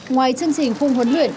ngoài chương trình khung huấn luyện